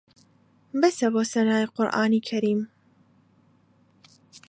بەسە بۆ سەنای قورئانی کەریم